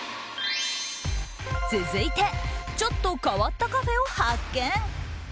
続いてちょっと変わったカフェを発見。